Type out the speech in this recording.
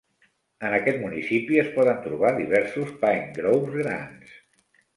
En aquest municipi es poden trobar diversos Pine Groves grans.